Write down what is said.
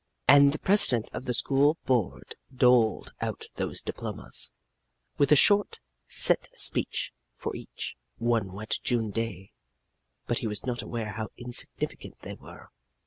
"And the president of the school board doled out those diplomas, with a short, set speech for each, one wet June day but he was not aware how insignificant they were.